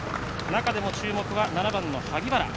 中でも注目は７番の萩原。